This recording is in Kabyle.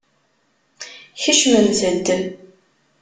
Kecmemt-d.